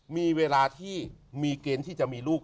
มีเวลาที่มีเกณฑ์ที่จะมีลูก